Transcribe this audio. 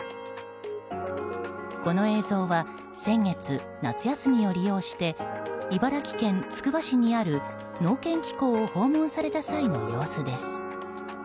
この映像は先月夏休みを利用して茨城県つくば市にある農研機構を訪問された際の様子です。